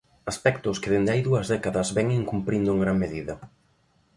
Aspectos que dende hai dúas décadas vén incumprindo en gran medida.